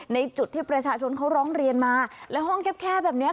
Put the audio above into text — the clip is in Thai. ในจุดที่ประชาชนเขาร้องเรียนมาแล้วห้องแคบแบบนี้